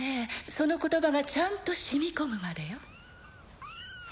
その言葉がちゃんとしみこむまでよ